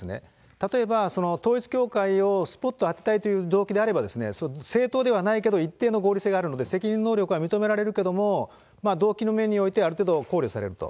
例えば統一教会をスポットを当てたいという動機であれば、正当ではないけれども、一定の合理性があるので、責任能力は認められるけれども、動機の面においてある程度、考慮されると。